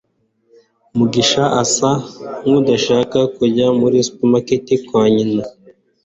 mugisha asa nkudashaka kujya muri supermarket kwa nyina